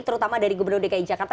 terutama dari gubernur dki jakarta